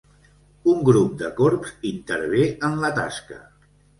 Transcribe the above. Un grup de corbs intervé en la tasca.